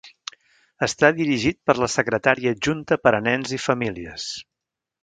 Està dirigit per la secretària adjunta per a nens i famílies.